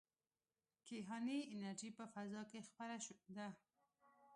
کیهاني انرژي په فضا کې خپره ده.